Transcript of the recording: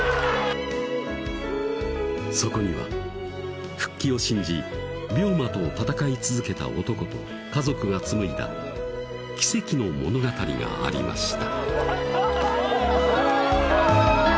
そこには復帰を信じ病魔と闘い続けた男と家族が紡いだ奇跡の物語がありました